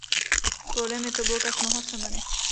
Plodem je tobolka s mnoha semeny.